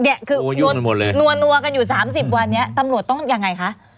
เนี่ยคือนัวนัวกันอยู่๓๐วันเนี่ยตำรวจต้องยังไงคะ